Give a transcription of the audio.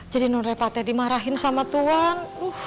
jadi nona repate dimarahin sama tuhan